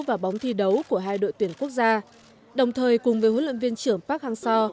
và bóng thi đấu của hai đội tuyển quốc gia đồng thời cùng với huấn luyện viên trưởng park hang seo